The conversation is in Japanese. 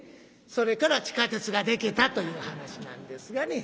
それから地下鉄が出来たという話なんですがね。